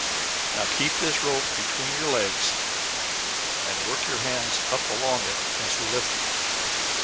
"Now, keep this rope between your legs, and work your hands up along it as we lift you.